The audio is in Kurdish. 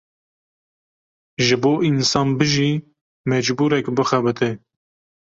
Ji bo însan bijî mecbûre ku bixebite.